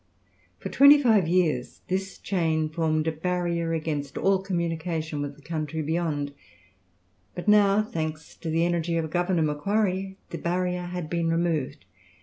For twenty five years this chain formed a barrier against all communication with the country beyond; but now, thanks to the energy of Governor Macquarie, the barrier has been removed.